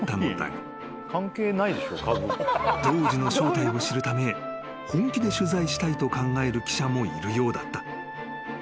［ＤＯＧＥの正体を知るため本気で取材したいと考える記者もいるようだった］